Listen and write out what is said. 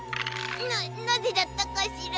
なっなぜだったかしら。